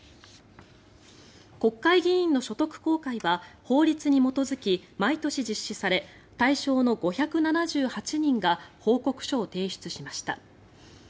国会議員の所得公開は法律に基づき毎年実施され対象の５７８人が報告書を提出しました。